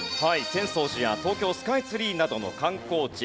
浅草寺や東京スカイツリーなどの観光地。